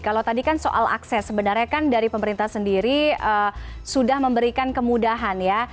kalau tadi kan soal akses sebenarnya kan dari pemerintah sendiri sudah memberikan kemudahan ya